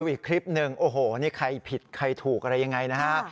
อีกคลิปหนึ่งโอ้โหนี่ใครผิดใครถูกอะไรยังไงนะฮะ